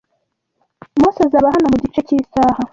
Mose azaba hano mugice cyisaha.